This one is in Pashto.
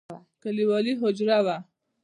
کليوالي حجره وه.